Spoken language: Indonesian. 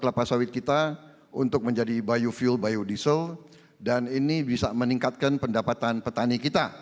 kelapa sawit kita untuk menjadi biofuel biodiesel dan ini bisa meningkatkan pendapatan petani kita